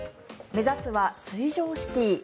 目指すは水上シティー。